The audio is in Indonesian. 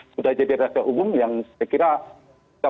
sudah jadi rasa umum yang saya kira